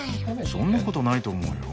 そんなことないと思うよ。